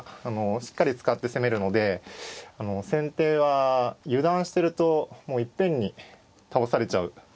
しっかり使って攻めるので先手は油断してるともういっぺんに倒されちゃう。